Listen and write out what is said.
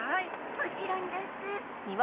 もちろんどす。